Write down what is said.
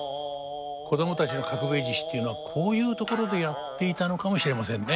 子どもたちの「角兵衛獅子」っていうのはこういう所でやっていたのかもしれませんね。